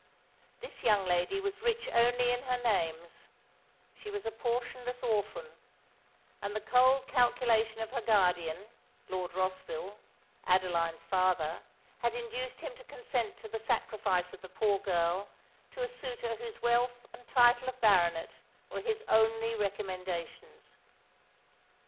This young lady was rich only in her names: she was a portionless orphan; and the cold calculation of her guardian, Lord Rossville (Adeline's father), had induced him to consent to the sacrifice of the poor girl to a suitor whose wealth and title of Baronet were his only recommendations.